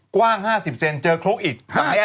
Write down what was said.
กว้าง๕๐เซนเจอโครกอีก